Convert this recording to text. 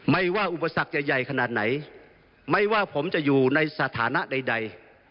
ไม่ว่าอุปสรรคจะใหญ่ขนาดไหนไม่ว่าผมจะอยู่ในสถานะใด